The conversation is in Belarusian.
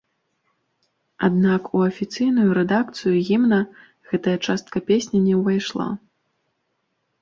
Аднак у афіцыйную рэдакцыю гімна гэтая частка песні не ўвайшла.